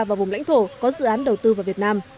và vùng lãnh thổ có dự án đầu tư vào việt nam